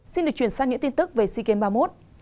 xin được chuyển sang những tin tức về sea games ba mươi một